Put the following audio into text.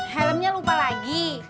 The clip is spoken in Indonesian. helmnya lupa lagi